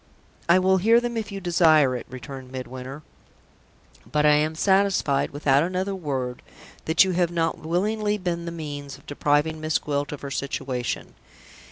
"I will hear them if you desire it," returned Midwinter. "But I am satisfied, without another word, that you have not willingly been the means of depriving Miss Gwilt of her situation.